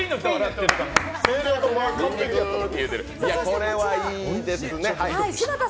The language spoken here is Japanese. これはいいですね。